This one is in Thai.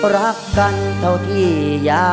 ขอบคุณค่า